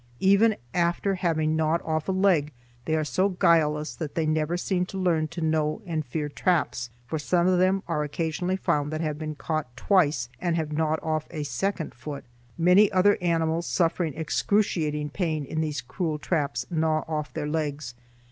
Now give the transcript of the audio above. Even after having gnawed off a leg they are so guileless that they never seem to learn to know and fear traps, for some are occasionally found that have been caught twice and have gnawed off a second foot. Many other animals suffering excruciating pain in these cruel traps gnaw off their legs.